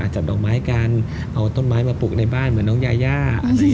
ดอกไม้กันเอาต้นไม้มาปลูกในบ้านเหมือนน้องยายา